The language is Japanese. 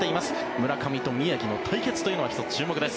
村上と宮城の対決は１つ、注目です。